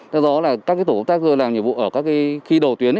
do đó là các cái tổ công tác rơi làm nhiệm vụ ở các cái khi đầu tuyến